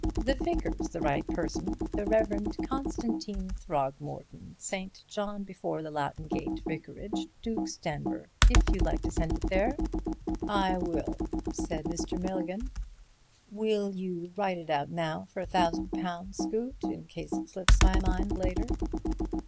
The vicar's the right person—the Rev. Constantine Throgmorton, St. John before the Latin Gate Vicarage, Duke's Denver, if you like to send it there." "I will," said Mr. Milligan. "Will you write it out now for a thousand pounds, Scoot, in case it slips my mind later?"